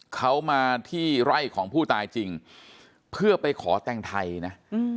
เขามาที่ไร่ของผู้ตายจริงเพื่อไปขอแต่งไทยนะ